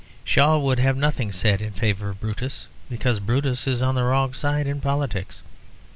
Shaw would have nothing said in favour of Brutus; because Brutus is on the wrong side in politics.